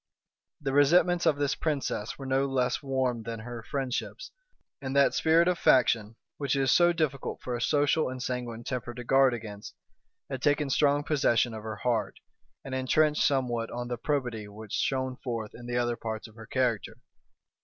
The resentments of this princess were no less warm than her friendships; and that spirit of faction, which it is so difficult for a social and sanguine temper to guard against, had taken strong possession of her heart, and intrenched somewhat on the probity which shone forth in the other parts of her character.